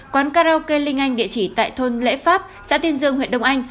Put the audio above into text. quán karaoke linh anh địa chỉ tại thôn lễ pháp xã tiên dương huyện đông anh